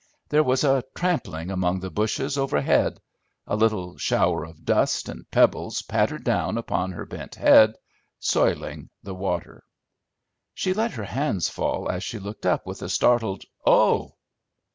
There was a trampling among the bushes, overhead; a little shower of dust and pebbles pattered down upon her bent head, soiling the water. She let her hands fall as she looked up, with a startled "Oh!"